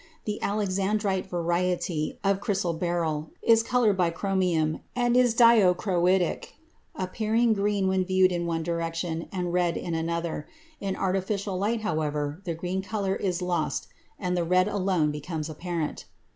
The alexandrite variety of chrysoberyl is colored by chromium and is dichroitic, appearing green when viewed in one direction and red in another; in artificial light, however, the green color is lost and the red alone becomes apparent.